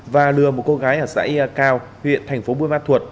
và lừa một cô gái ở xã ya cao huyện thành phố buôn ma thuột